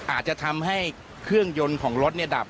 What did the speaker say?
อาจจะทำให้เครื่องยนต์ของรถดับ